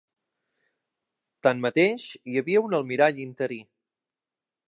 Tanmateix, hi havia un almirall interí.